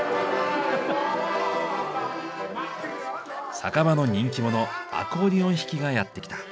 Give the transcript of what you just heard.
酒場の人気者アコーディオン弾きがやって来た。